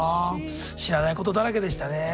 知らないことだらけでしたね。